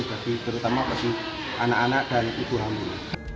terutama ke sini anak anak dan ibu hamil